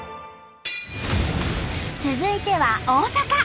続いては大阪！